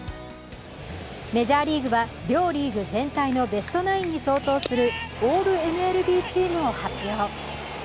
メジャーリーグは両リーグ全体のベストナインに相当するオールＭＬＢチームを発表。